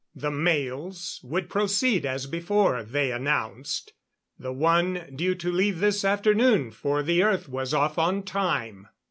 The mails would proceed as before, they announced; the one due to leave this afternoon for the Earth was off on time.